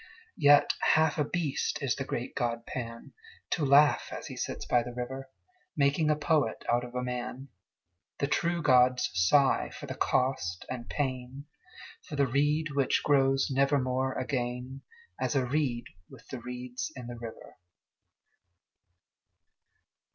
Yet half a beast is the great god Pan, To laugh as he sits by the river, Making a poet out of a man: The true gods sigh for the cost and pain, For the reed which grows nevermore again As a reed with the reeds in the river.